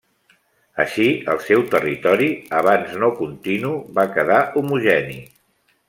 Així el seu territori, abans no continu, va quedar homogeni.